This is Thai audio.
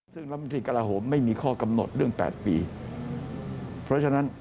ซึ่งรัฐมนตรีกระลาโหมไม่มีข้อกำหนดเรื่อง๘ปีเพราะฉะนั้น